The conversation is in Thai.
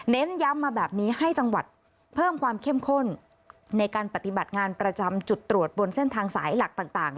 ย้ำมาแบบนี้ให้จังหวัดเพิ่มความเข้มข้นในการปฏิบัติงานประจำจุดตรวจบนเส้นทางสายหลักต่าง